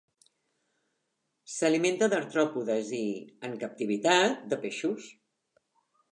S'alimenta d'artròpodes i, en captivitat, de peixos.